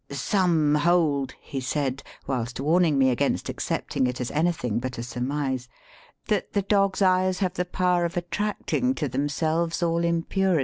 ^^ Some hold," he said, whilst warning me against accepting it as anything but a surmise, *^that the dog's eyes have the power of attracting to themselves all impurity."